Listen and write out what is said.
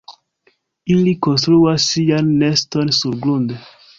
Ili konstruas sian neston surgrunde.